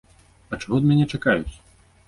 А чаго ад мяне чакаюць?